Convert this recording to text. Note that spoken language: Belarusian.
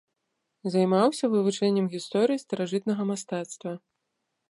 Займаўся вывучэннем гісторыі старажытнага мастацтва.